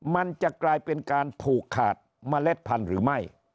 มันจะกลายเป็นการผูกขาดเมล็ดพันธุ์หรือไม่